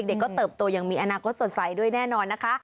เด็กก็เติบโตอย่างมีอนาคตสดใสด้วยแน่นอนนะคะ